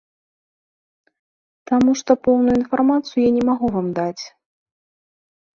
Таму што поўную інфармацыю я не магу вам даць.